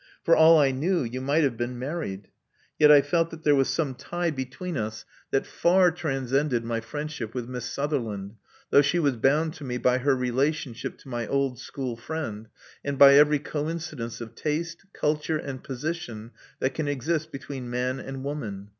For all I knew, you might have been married. Yet I felt that there was some tie between us that far transcended my friendship with Miss Sutherland, though she was bound to me by her relationship to my old school friend, and by every coincidence of taste, culture, and position that can exist between man and woman.